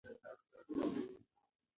ولې خلک په ډلو کې ژوند کول خوښوي؟